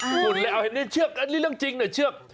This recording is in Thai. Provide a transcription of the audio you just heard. ฝุ่นเลยเอาเห็นในเชือกอันนี้เรื่องจริงเหรอเชือก